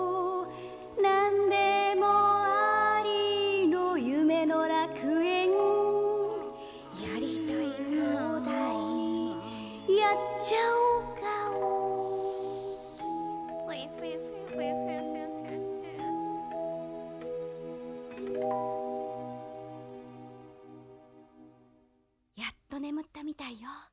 なんでもありのゆめのらくえんやりたいほうだいやっちゃおがおやっとねむったみたいよ。